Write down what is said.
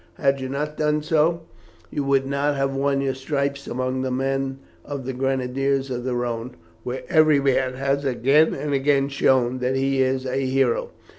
"Had you not done so you would not have won your stripes among the men of the Grenadiers of the Rhone, where every man has again and again shown that he is a hero.